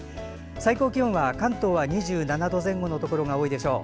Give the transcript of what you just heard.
最高気温は関東は２７度前後のところが多いでしょう。